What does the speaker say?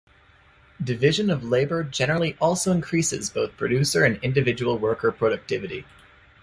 Division of labour generally also increases both producer and individual worker productivity.